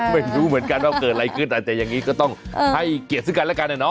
ไม่รู้เหมือนกันว่าเกิดอะไรขึ้นอาจจะอย่างนี้ก็ต้องให้เกียรติซึ่งกันแล้วกันนะเนาะ